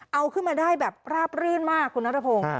เอาขึ้นมาได้แบบราบรื่นมากคุณนัทพงศ์